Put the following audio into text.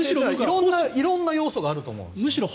色んな要素があると思う。